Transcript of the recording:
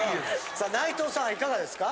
さあ内藤さんいかがですか？